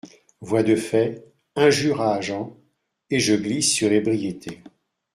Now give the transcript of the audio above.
Voies de fait, injures à agent, et je glisse sur l’ébriété.